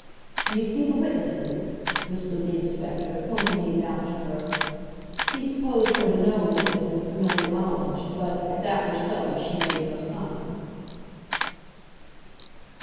"D'you see the witnesses?" whispered the inspector, pointing these out to her. He supposed her to know one of them with familiar knowledge, but, if that were so, she made no sign.